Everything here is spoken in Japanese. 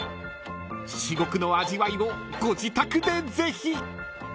［至極の味わいをご自宅でぜひ］